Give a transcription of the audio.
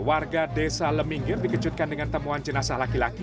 warga desa leminggir dikejutkan dengan temuan jenazah laki laki